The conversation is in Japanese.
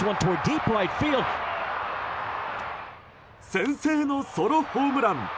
先制のソロホームラン！